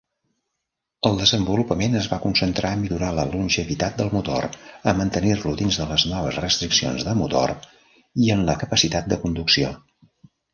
El desenvolupament es va concentrar a millorar la longevitat del motor, a mantenir-lo dins de les noves restriccions de motor i en la capacitat de conducció.